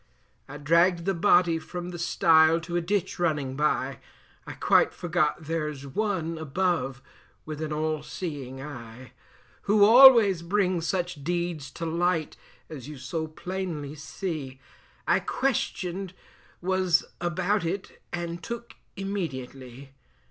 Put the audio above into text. I dragged the body from the stile to a ditch running by, I quite forgot there's One above with an all seeing eye, Who always brings such deeds to light, as you so plainly see, I questioned was about it and took immediately.